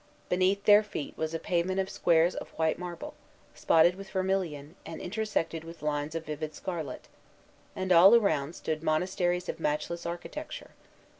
Beneath their feet was a pavement of squares of white marble, spotted with vermilion, and intersected with lines of vivid scarlet; and all around stood monasteries of matchless architecture.